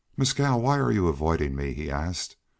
"Mescal, why are you avoiding me?" he asked.